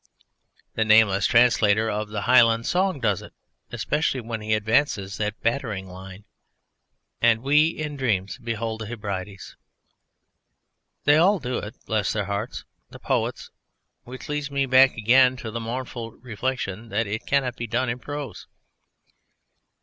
The nameless translator of the Highland song does it, especially when he advances that battering line And we in dreams behold the Hebrides. They all do it, bless their hearts, the poets, which leads me back again to the mournful reflection that it cannot be done in prose....